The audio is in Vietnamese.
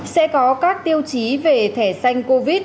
sẽ có các tiêu chí về thẻ xanh covid